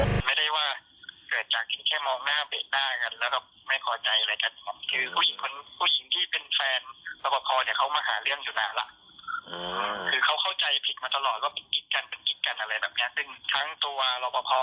ว่าเป็นกิ๊กกันเป็นกิ๊กกันอะไรแบบเนี้ยซึ่งทั้งตัวรองประพอ